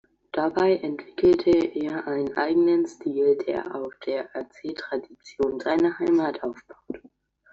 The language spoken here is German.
Dabei entwickelte er einen eigenen Stil, der auf der Erzähltradition seiner Heimat aufbaut.